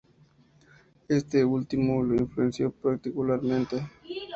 Este último lo influenció particularmente.